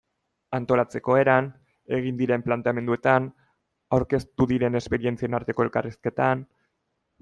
Antolatzeko eran, egin diren planteamenduetan, aurkeztu diren esperientzien arteko elkarrizketan...